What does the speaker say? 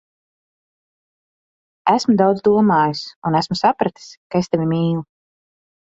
Esmu daudz domājis, un esmu sapratis, ka es tevi mīlu.